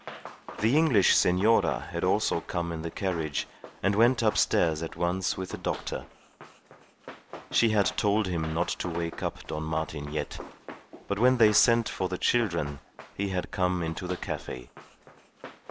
The English senora had also come in the carriage, and went upstairs at once with the doctor. She had told him not to wake up Don Martin yet; but when they sent for the children he had come into the cafe.